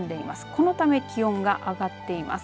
そのため気温が上がっています。